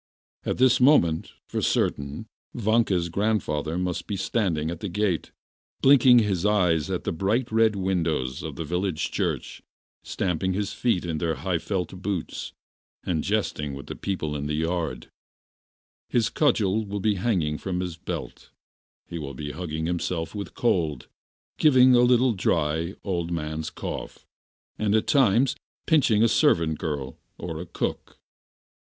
At this moment, for certain, Vanka's grandfather must be standing at the gate, blinking his eyes at the bright red windows of the village church, stamping his feet in their high felt boots, and jesting with the people in the yard; his cudgel will be hanging from his belt, he will be hugging himself with cold, giving a little dry, old man's cough, and at times pinching a servant girl or a cook.